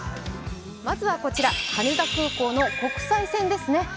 まずはこちら羽田空港の国際線ですね。